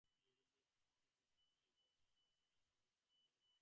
ভৌগোলিক কৌশলগত অবস্থানের দিক থেকে বাংলাদেশের অবস্থান আমাদের গুরুত্ব অনেক বাড়িয়ে দিয়েছে।